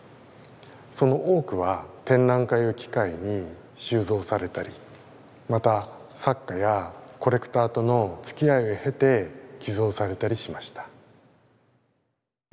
その多くは展覧会を機会に収蔵されたりまた作家やコレクターとのつきあいを経て寄贈されたりしました。